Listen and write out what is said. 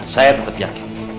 saya tetap yakin